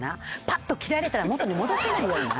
パッと切られたら元に戻せないような。